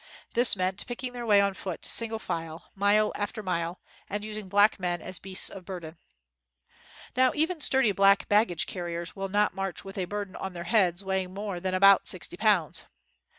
This meant picking their way on foot sin gle file, mile after mile, and using black men as beasts of burden. Now, even sturdy black baggage carriers will not march with a burden on their heads 34 AFTER THE NEWS WAS READ weighing more than about sixty pounds.